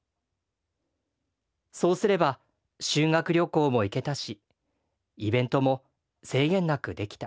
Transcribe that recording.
そうすれば修学旅行も行けたしイベントも制限なくできた。